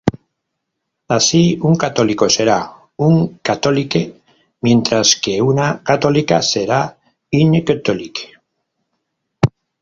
Así, un católico será "un catholique", mientras que una católica será "une catholique".